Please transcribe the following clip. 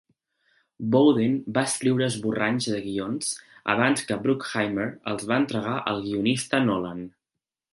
Bowden va escriure esborranys de guions abans que Bruckheimer els va entregar al guionista Nolan.